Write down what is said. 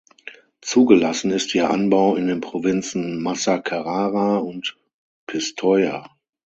Zugelassen ist ihr Anbau in den Provinzen Massa-Carrara und Pistoia.